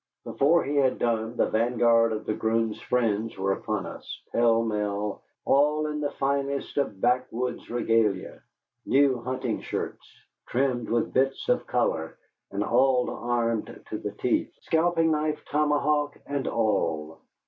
Before he had done the vanguard of the groom's friends were upon us, pell mell, all in the finest of backwoods regalia, new hunting shirts, trimmed with bits of color, and all armed to the teeth scalping knife, tomahawk, and all.